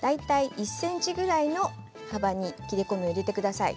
大体１ｃｍぐらいの幅に切れ込みを入れてください。